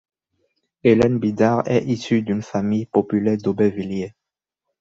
Hélène Bidard est issue d’une famille populaire d’Aubervilliers.